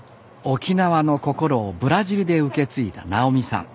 沖縄の心をブラジルで受け継いだ直美さん。